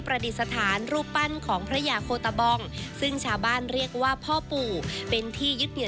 ดิษฐานรูปปั้นของพระยาโคตะบองซึ่งชาวบ้านเรียกว่าพ่อปู่เป็นที่ยึดเหนื